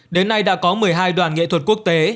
đến nay đã có một mươi hai đoàn nghệ thuật quốc tế